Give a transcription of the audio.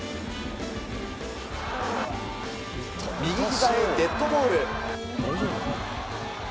右ひざへデッドボール。